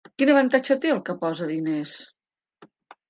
Quin avantatge té el que posa diners?